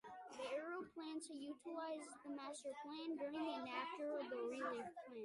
Beira plans to utilize the masterplan during and after the relief plan.